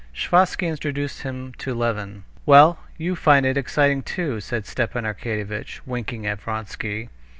Sviazhsky introduced him to Levin. "Well, you find it exciting too?" said Stepan Arkadyevitch, winking at Vronsky.